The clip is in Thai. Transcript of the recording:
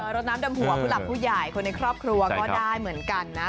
รถน้ำดำหัวผู้หลักผู้ใหญ่คนในครอบครัวก็ได้เหมือนกันนะ